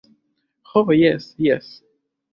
Ho jes, jes.